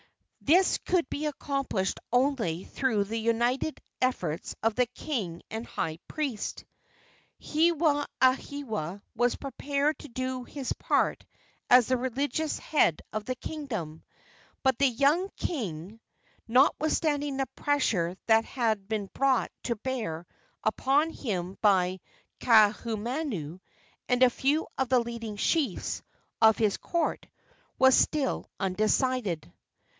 This could be accomplished only through the united efforts of the king and high priest. Hewahewa was prepared to do his part as the religious head of the kingdom, but the young king, notwithstanding the pressure that had been brought to bear upon him by Kaahumanu and a few of the leading chiefs of his court, was still undecided.